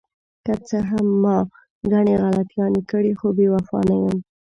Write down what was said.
که څه هم ما ګڼې غلطیانې کړې، خو بې وفا نه یم.